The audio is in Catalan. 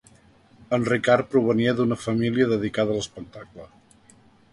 En Ricard provenia d'una família dedicada a l'espectacle.